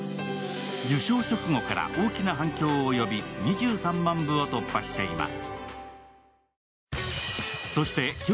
受賞直後から大きな反響を呼び２３万部を突破しています。